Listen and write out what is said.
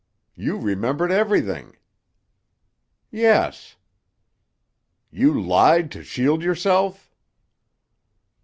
You remembered everything?" "Yes." "You lied to shield yourself?"